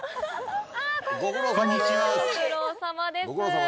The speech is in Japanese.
ご苦労さまです。